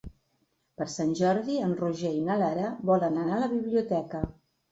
Per Sant Jordi en Roger i na Lara volen anar a la biblioteca.